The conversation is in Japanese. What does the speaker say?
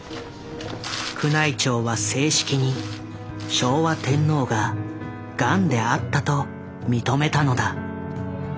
宮内庁は正式に「昭和天皇がガンであった」と認めたのだ。